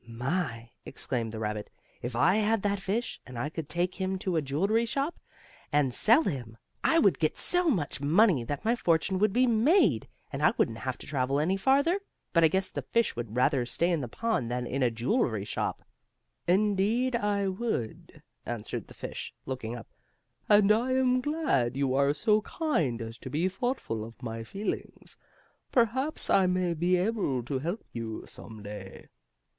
"My!" exclaimed the rabbit. "If I had that fish, and I could take him to a jewelry shop, and sell him, I would get so much money that my fortune would be made, and I wouldn't have to travel any farther. But I guess the fish would rather stay in the pond than in a jewelry shop." "Indeed, I would," answered the fish, looking up. "And I am glad you are so kind as to be thoughtful of my feelings. Perhaps I may be able to help you, some day."